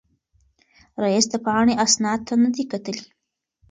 رییس د پاڼې اسناد نه دي کتلي.